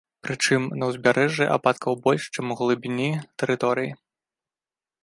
Прычым на ўзбярэжжы ападкаў больш чым у глыбіні тэрыторыі.